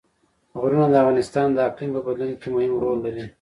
غرونه د افغانستان د اقلیم په بدلون کې مهم رول لري.